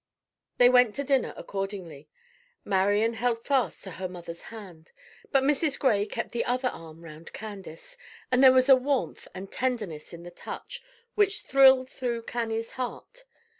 They went to dinner, accordingly. Marian held fast to her mother's hand; but Mrs. Gray kept the other arm round Candace, and there was a warmth and tenderness in the touch which thrilled through Cannie's heart.